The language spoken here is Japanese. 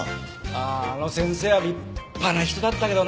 あああの先生は立派な人だったけどな